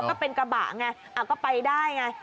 ก็เป็นกระบะไงก็ไปได้ไง